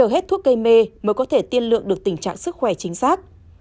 hết thuốc cây mê mới có thể tiên lượng được tình trạng sức khỏe chính xác